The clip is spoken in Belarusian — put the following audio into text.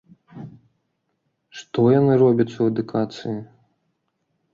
Што яны робяць у адукацыі?